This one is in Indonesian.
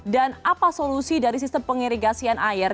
dan apa solusi dari sistem pengirigasian air